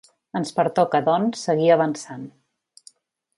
Ens pertoca, doncs, seguir avançant.